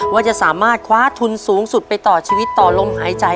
ว่าจะสามารถคว้าทุนสูงสุดไปต่อชีวิตต่อลมหายใจ